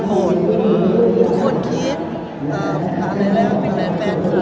คือทุกคนคิดกันไปเอง